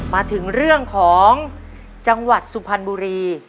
มาถึงเรื่องของจังหวัดสุพรรณบุรี